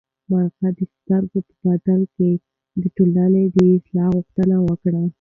مرغۍ د سترګې په بدل کې د ټولنې د اصلاح غوښتنه وکړه.